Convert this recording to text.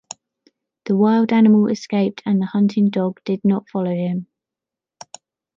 The wild animal escaped and the hunting dog did not follow him.